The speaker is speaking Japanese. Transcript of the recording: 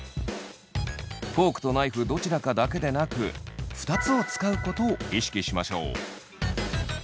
フォークとナイフどちらかだけでなく二つを使うことを意識しましょう。